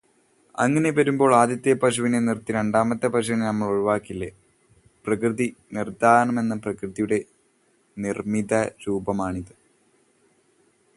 അങ്ങനെ വരുമ്പോൾ ആദ്യത്തെ പശുവിനെ നിർത്തി രണ്ടാമത്തെ പശുവിനെ നമ്മൾ ഒഴിവാക്കില്ലേ? പ്രകൃതി നിർദ്ധാരണമെന്ന പ്രക്രിയയുടെ നിര്മിതരൂപമാണിത്.